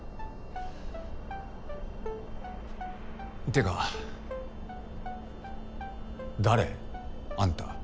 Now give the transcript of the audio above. てか誰あんた。